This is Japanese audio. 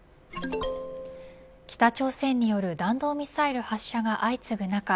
北朝鮮による弾道ミサイル発射が相次ぐ中